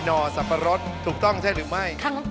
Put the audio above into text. อสับปะรดถูกต้องใช่หรือไม่